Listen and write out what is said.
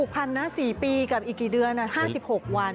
พันนะ๔ปีกับอีกกี่เดือน๕๖วัน